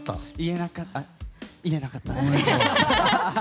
言えなかったです。